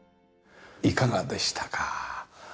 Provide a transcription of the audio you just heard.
いかがでしたか？